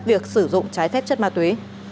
việc sử dụng trái phép chất ma túy